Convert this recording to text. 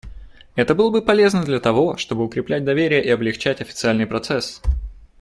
Это было бы полезно для того, чтобы укреплять доверие и облегчать официальный процесс.